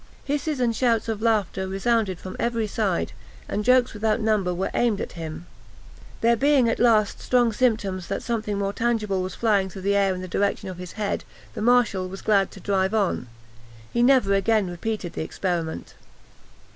Hisses and shouts of laughter resounded from every side, and jokes without number were aimed at him. There being at last strong symptoms that something more tangible was flying through the air in the direction of his head, the marshal was glad to drive on. He never again repeated the experiment.